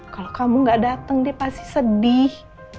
kalau kamu gak datang dia pasti sedih